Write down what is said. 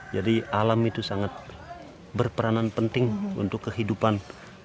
jadi alam itu sangat berperanan penting untuk kehidupan kami